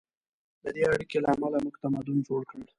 د دې اړیکې له امله موږ تمدن جوړ کړ.